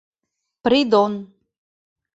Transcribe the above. Придон.